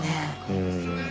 うん。